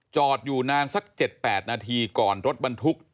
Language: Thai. จอดอยู่นานสัก๗๘นาทีก่อนรถบรรทุก